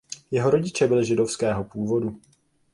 Jeho rodiče byli židovského původu.